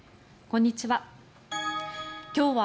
こんにちは。